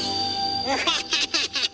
ウハハハハハ！